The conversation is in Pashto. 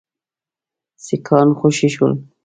سیکهان خوشي شول.